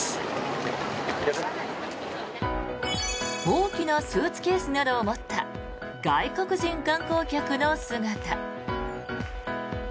大きなスーツケースなどを持った外国人観光客の姿。